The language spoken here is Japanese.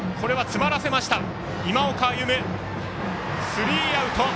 スリーアウト。